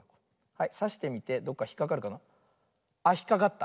はいさしてみてどっかひっかかるかな。あっひっかかった。